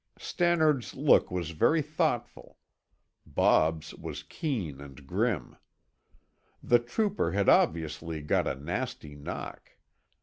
Stannard's look was very thoughtful; Bob's was keen and grim. The trooper had obviously got a nasty knock.